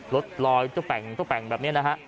รถรอยต้องแปลงแบบนี้นะฮะ